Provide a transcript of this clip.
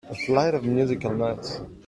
A flight of musical notes.